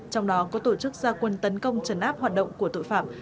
trong đó có tổ chức gia quân tấn công trấn áp hoạt động của tội phạm